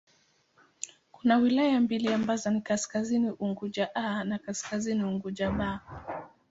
Kuna wilaya mbili ambazo ni Kaskazini Unguja 'A' na Kaskazini Unguja 'B'.